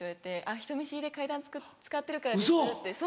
人見知りで階段使ってるからですって。